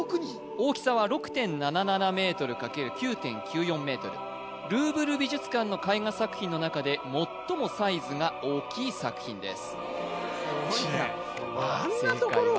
大きさは６．７７ｍ×９．９４ｍルーヴル美術館の絵画作品の中で最もサイズが大きい作品ですあんなところを？